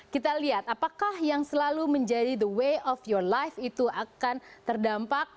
kita lihat apakah yang selalu menjadi the way of your life itu akan terdampak